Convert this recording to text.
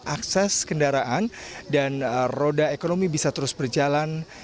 akses kendaraan dan roda ekonomi bisa terus berjalan